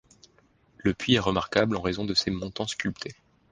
Le puits est remarquable en raison de ses montants sculptés.